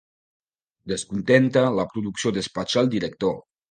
Descontenta, la producció despatxa el director.